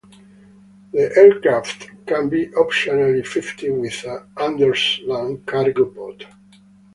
The aircraft can be optionally fitted with an underslung cargo pod.